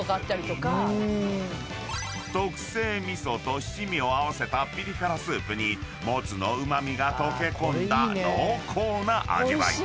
［特製味噌と七味を合わせたピリ辛スープにもつのうま味が溶け込んだ濃厚な味わい］